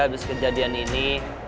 abis kejadian ini